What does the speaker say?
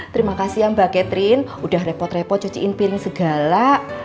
terima kasih mbak catherine udah repot repot cuciin piring segala